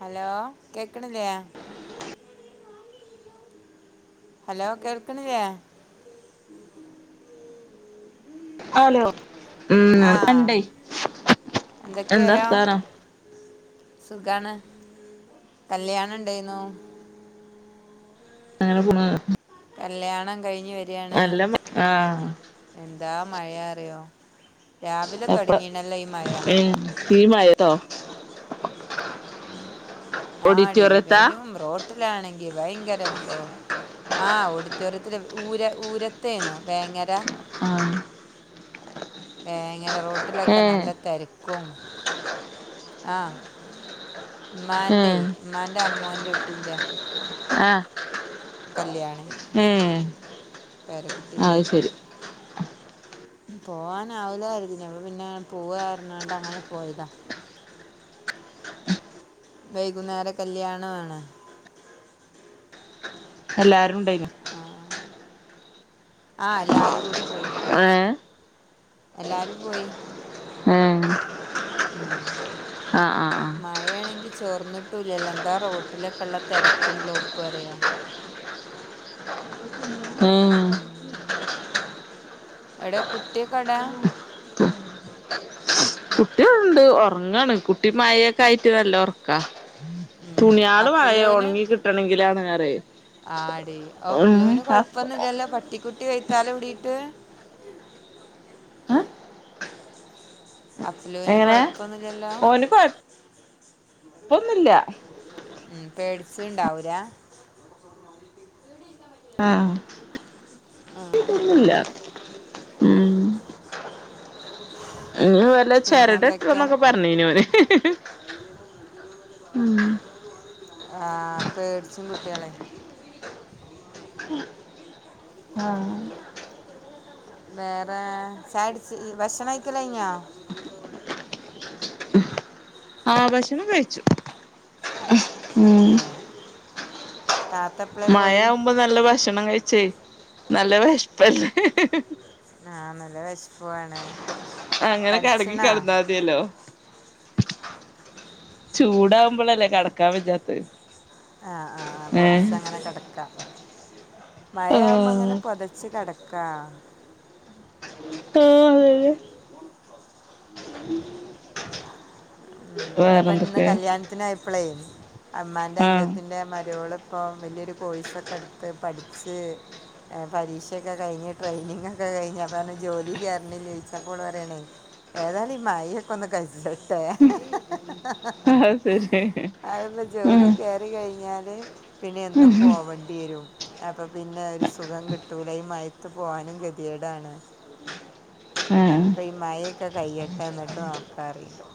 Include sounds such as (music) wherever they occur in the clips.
Hello കേക്കണില്ലയാ hello കേൾക്കണില്ലേ hello ഉം ആ ഉണ്ടേ എന്താ എന്തൊക്കെയാരോ അർത്താനം സുഖാണ് കല്യാണം ഉണ്ടായിന്നു അങ്ങനെ പൊണ് കല്യാണം കഴിഞ്ഞു വരിയാണ് മ ആഹ് എന്താ മഴയാറിയോ എപ്പള ഈ മഴയത്തോ ആടി ഓഡിറ്റോറിയത്താ വരും റോട്ടിലാണെങ്കി ഭയങ്കര ബ്ലോ ആ ഓഡിറ്റോറിയത്തില് ഊര ഊരത്തേന്നോ വേങ്ങര ആഹ് എങ്ങനെ റോ റോട്ടിലൊക്കെ ഏഹ് നല്ല തെരക്കും ആഹ് ഉമ്മാന്റെ ഏഹ് ഉമ്മാന്റെ അമ്മോന്റെ കുട്ടീന്റെ ആ കല്യാണി പെര അത് കുട്ടീൻ്റെയൊക്കെ ശരി പോവാനാവില്ലായിരിക്കും ഞങ്ങള് പിന്നെ പോവാർഞാണ്ടങ്ങനെ പോയതാ വൈകുന്നേരം കല്യാണമാണ് എല്ലാരും ഉണ്ടായി ആ ആ എല്ലാരും കൂടി പോയി ഏഹ് എല്ലാരും പോയി ഉം ആ ആ ആ മഴയാണെങ്കിൽ ചോർന്നിട്ടുമില്ലല്ലോ എന്താ റോട്ടിലൊക്കുള്ള തെരക്കും ബ്ലോക്കും അറിയുവോ ആഹ് ഏഹ് ഉം എവിടെ കുട്ടിയൊക്കെ എവിടാ ണ്ട് ഒറങ്ങാണ് കുട്ടി മഴയൊക്കെ ആയിട്ട് നല്ല ഒറക്കാ തുണിയാള് മളെ അഫ്ലൂന് ഒണങ്ങി കിട്ടണങ്കിലാണ് പറയ ആടി കുട്ടി (unintelligible) അപ്പുലുവിന് എങ്ങനെ കൊഴപ്പൊന്നുംമി ല്ലല്ലോ പ്പൊന്നുമില്ല പേടിച്ചുണ്ടാവൂലേ ആഹ് ഉം, കൊഴപ്പമൊന്നും ഉം. ഇല്ല ഉം ഉം ഇനി വല്ല പിന്നെന്തൊക്കെയാ ചരടുകെട്ടുവെന്നൊക്കെ പറഞ്ഞേന്ന് അവന് ആ, പേടിച്ചും കുട്ടികളെ (inaudible) ആഹ് വേറെ ചായാ കുടിച് ഭക്ഷണംകഴി യ്കല് കഴിഞ്ഞോ ആ ഭക്ഷണം കഴിച്ചു ഏഹ് മഴ ആവുമ്പോ നല്ല ഭക്ഷണം കഴിച്ചേ നല്ല വെശപ്പല്ലേ ആഹ നല്ല വിശപ്പുമാണ് തടിച്ചണോ ചൂടാകുമ്പോളല്ലേ കടക്കാൻ പറ്റാത്തെ ആഹ് ആ പൊതച്ച് അങ്ങനെ കെടക്ക മഴ ആവുമ്പോ അങ്ങനെ ആഹ് പൊതച്ചു കെട ക്ക ആഹ് അതന്നെ (unintelligible) ഉം അപ്പൊ ഇന്ന് വേറെന്തൊക്കെ കല്യാണത്തിന് പോയപ്പളെ അമ്മാന്റെ ആഹ് അഞ്ചത്തിന്റെ മരോള് ഇപ്പോൾ വലിയൊരു കോഴ്സൊക്കെ എടുത്ത് പഠിച്ച് പരീക്ഷയൊക്കെ കഴിഞ്ഞ് ട്രെയിനിങ്ങൊക്കെ കഴിഞ്ഞ് അപ്പം പറ ജോലി കയറണ ജോയിച്ചപ്പോൾ പറയണേ ഏതായാലും ഈ മായൊക്കെ ഒന്ന് കഴിച്ചട്ടെ അത് ശരി അതിപ്പോം ജോലി ഉം കയറ കഴിഞ്ഞാൽ പിന്നെ എന്നും പോവേണ്ടി വരും അപ്പൊ പിന്നെ ഒരു സുഖം കിട്ടൂല ഈ മയത്ത് പോവാനും കെതേടാണ് ആഹ് ഇപ്പ ഈ മായ ഒക്കെ കൈയട്ടെ എന്നിട്ട് നോക്കാറിയൊള്ളൂ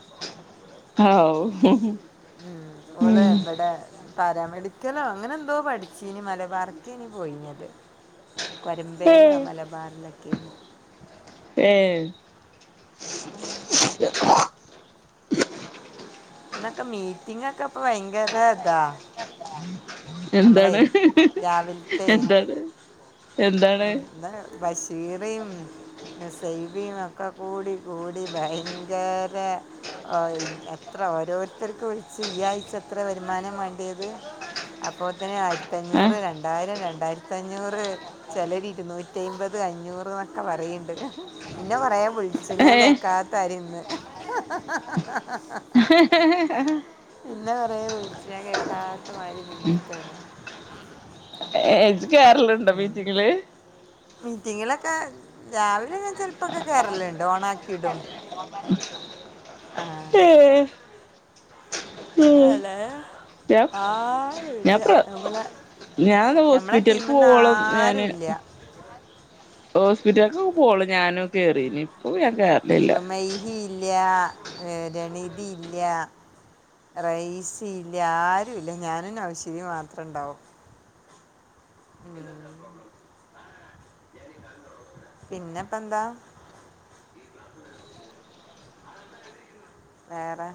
ആ ഉ ഉം. ഉം ഓള് ഇവിടെ പാരാമെഡിക്കലോ അങ്ങനെ ന്തോ പഠിച്ചീനി മലബാറ്ക്കെനി പോയിന്യത് കൊരമ്പേലോ മലബാറിലൊക്കെ ന് ഏ ഉം ഇന്നൊക്കെ മീറ്റിങ്ങൊക്കെ പ്പ ഭയങ്കര താ എന്താണ് രാവിലത്തെ എന്താണ് എന്താണ് എന്താ ബഷീറിം നുസൈബിം ഒക്കെ കൂടി കൂടി ഭയങ്കര ഓയ് എത്ര ഓരോരുത്തർക്ക് വിൽച്ച് ഈ ആഴ്ച എത്ര വരുമാനം മാണ്ട്യേത് അപ്പോത്തിന് ആ ആയിരത്തഞ്ഞൂറ് രണ്ടായിരം രണ്ടായിരത്തഞ്ഞൂറ് ചെലോര് ഇര്‌നൂറ്റയ്മ്പത് അഞ്ഞൂറ് ന്നൊക്കെ പറീണ്ട് ഇന്നെ കൊറേ വിൽ ച്ച് ഏ ഞാൻ കേക്കാത്താരി ന്ന് (unintelligible) ഇന്നെ കൊറേ വിൽച്ചീനി ഞാൻ കേക്കാത്ത മാതിരി നിന്നക്കാണ് ഏ ജ് കേർല്ണ്ടോ മീറ്റിങ്ങില് മീറ്റിങ്ങിലൊക്കെ രാവിലെ ഞാൻ ചെൽപ്പൊക്കെ കേറല്ണ്ട് ഓണാക്കിടും ആ ഏ ഉം അല്ലേ ഞാ ഞാൻ ആരുമില്ല പ്ര നമ്മളെ നമ്മളെ ടീമിൽ നിന്ന് ഞാനോസ്പിറ്റല്ക്കോവോളം ഞാന് ആരുമില്ല ഹോസ്പിറ്റല്ക്ക് പോവോളു ഞാനും കേറിനി (unintelligible) ഞാൻ കേറലില്ല ല്ല്യാ രണീതില്ല്യ റയീസില്ല്യ ആരുല്ല ഞാനും നൗഷിദിം മാത്രം ണ്ടാവും ഇങ്ങനത്തെ പ്രോബ്ളം പിന്നെപ്പ ന്താ വേറെ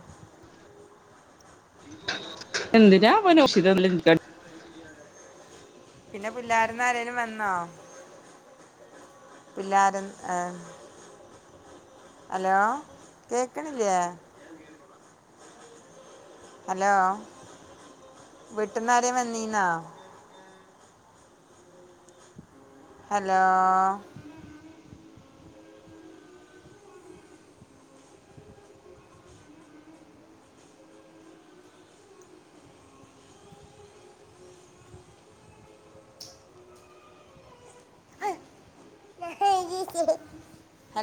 (unintelligible) എന്തിനാ പ്പം നൗഷിദ (unintelligible) പിന്നെ പുല്ലാരേന്ന് ആരേലും വന്നോ പുല്ലാര്ന്ന് അ അലോ കേക്ക്ണില്ലേ അലോ വീട്ട്ന്നരേം വന്നീന്നോ ഹലോ (inaudible)